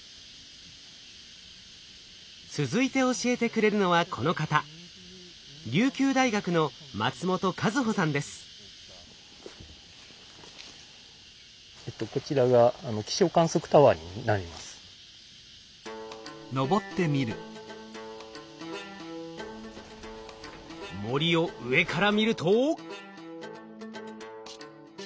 続いて教えてくれるのはこの方こちらが森を上から見ると。